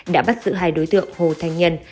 đã bắt giữ hai đối tượng hồ thanh nhân